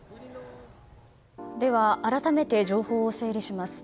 では、改めて情報を整理します。